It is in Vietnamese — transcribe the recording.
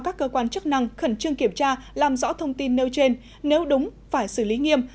các cơ quan chức năng khẩn trương kiểm tra làm rõ thông tin nêu trên nếu đúng phải xử lý nghiêm